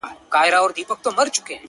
• په مرګ به یې زما په څېر خواشینی سوی وي -